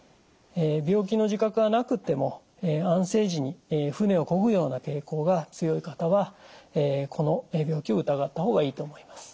病気の自覚がなくても安静時に船をこぐような傾向が強い方はこの病気を疑った方がいいと思います。